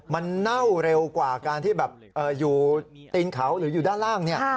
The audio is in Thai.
มันเน่าเร็วกว่าการที่แบบอยู่ตีนเขาหรืออยู่ด้านล่าง